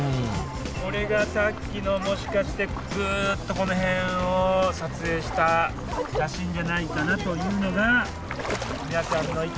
これがさっきのもしかしてグッとこの辺を撮影した写真じゃないかなというのが皆さんの意見。